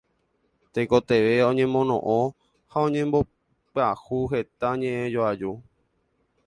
tekotevẽ oñemono'õ ha oñembohyapu heta ñe'ẽjoaju.